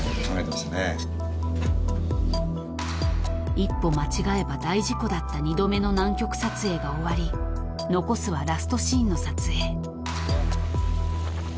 ［一歩間違えば大事故だった二度目の南極撮影が終わり残すはラストシーンの撮影］